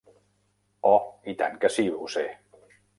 Oh, i tant que sí, ho sé.